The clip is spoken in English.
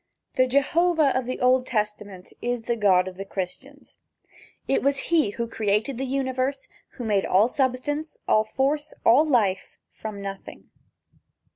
The Jehovah of the Old Testament is the God of the Christians. He it was who created the Universe, who made all substance, all force, all life, from nothing.